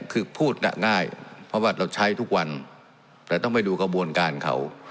คือพูดง่ายเพราะว่าเราใช้ทุกวันแต่ต้องไปดูกระบวนการเขา